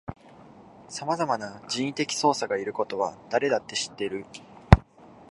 さまざまな人為的操作がいることは誰だって知っている